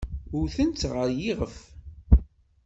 Wtent-tt ɣer yiɣef.